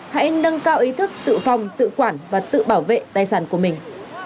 hãy nâng cao ý thức tự phòng tự quản và tự bảo vệ tài sản của mình